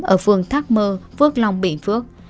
ở phương thác mơ phước long bình phước